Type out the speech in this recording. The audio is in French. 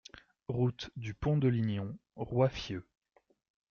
Route du Pont de Lignon, Roiffieux